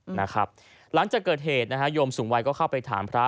หลังจากเกิดเหตุนะฮะโยมสูงวัยก็เข้าไปถามพระ